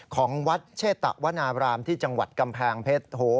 ของวัดเชตะวนาบรามที่จังหวัดกำแพงเพชร